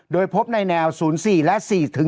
โดยพบในแนว๐๔และ๔๕